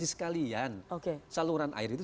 sebagai perusahaan yang diperbaiki